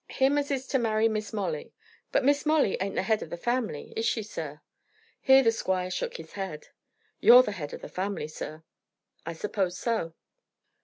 "Him as is to marry Miss Molly. But Miss Molly ain't the head of the family; is she, sir?" Here the squire shook his head. "You're the head of the family, sir." "I suppose so."